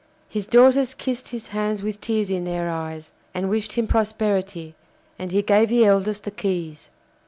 His daughters kissed his hands with tears in their eyes, and wished him prosperity, and he gave the eldest the keys.